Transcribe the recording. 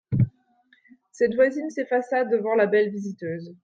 Cette voisine s'effaça devant la belle visiteuse.